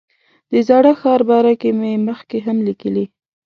د زاړه ښار باره کې مې مخکې هم لیکلي.